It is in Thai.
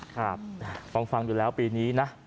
ครับฟังอยู่แล้วปีนี้นะ